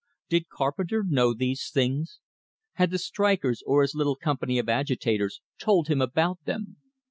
Did Carpenter know these things? Had the strikers or his little company of agitators, told him about them?